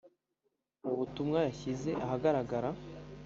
Mu butumwa yashyize ahagaragara